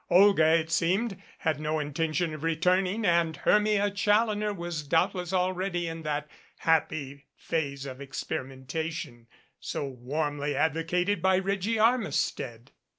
Olga, it seemed, had no intention of returning and Hermia Challoner was doubtless already in that happy phase of experimentation so warmly advocated by Reggie Armis tead.